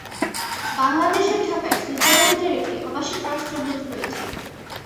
বাংলাদেশের ঢাকায় সুইজারল্যান্ডের একজন আবাসিক রাষ্ট্রদূত রয়েছে।